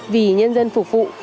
vì nhân dân phục vụ